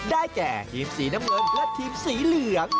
ได้แก่ทีมสีน้ำเงินและทีมสีเหลือง